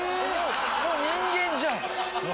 もう人間じゃんうわ！